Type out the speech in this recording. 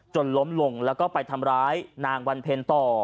ล้มลงแล้วก็ไปทำร้ายนางวันเพ็ญต่อ